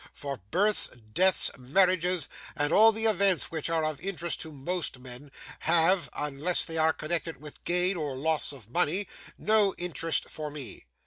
For births, deaths, marriages, and all the events which are of interest to most men, have (unless they are connected with gain or loss of money) no interest for me.